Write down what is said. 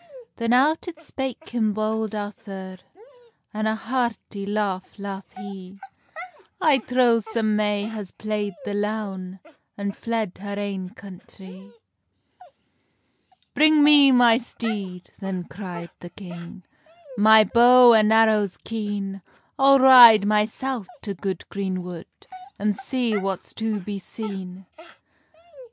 Then out it spake him Bold Arthur, An a hearty laugh laugh he: "I trow some may has playd the loun, And fled her ain country." "Bring me my steed," then cry'd the king, "My bow and arrows keen; I'll ride mysel to good green wood, An see what's to be seen."